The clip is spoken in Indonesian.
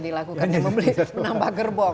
dilakukan yang membeli menambah gerbok